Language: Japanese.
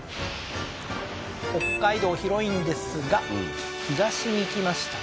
北海道広いんですが東に行きましたね